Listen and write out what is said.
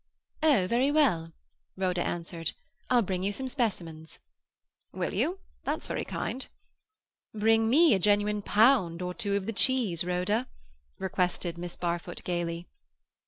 "Oh, very well," Rhoda answered. "I'll bring you some specimens." "Will you? That's very kind." "Bring me a genuine pound or two of the cheese, Rhoda," requested Miss Barfoot gaily.